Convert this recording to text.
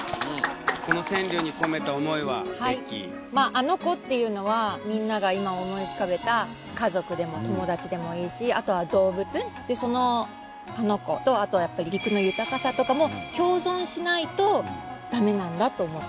あの子っていうのはみんなが今思い浮かべた家族でも友達でもいいしあとは動物でそのあの子とやっぱり陸の豊かさとかも共存しないと駄目なんだと思って。